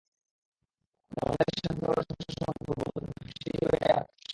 বাংলাদেশ শান্তিপূর্ণভাবে সমস্যার সমাধান করুক, বন্ধুপ্রতিম প্রতিবেশী হিসেবে এটাই আমাদের প্রত্যাশা।